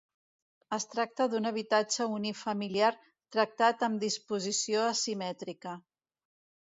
Es tracta d'un habitatge unifamiliar tractat amb disposició asimètrica.